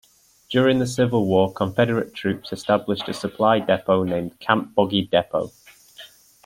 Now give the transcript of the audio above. During the Civil War, Confederate troops established a supply depot named Camp Boggy Depot.